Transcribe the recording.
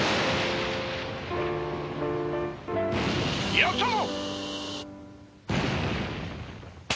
やったぞ！